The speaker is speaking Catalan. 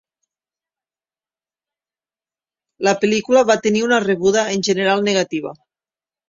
La pel·lícula va tenir una rebuda en general negativa.